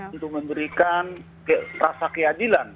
untuk memberikan rasa keadilan